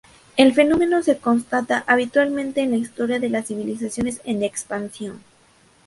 El fenómeno se constata habitualmente en la historia de las civilizaciones en expansión.